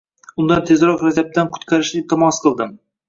Undan tezroq Rajabdan qutqarishni iltimos qildim